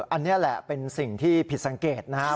อันนี้แหละเป็นสิ่งที่ผิดสังเกตนะครับ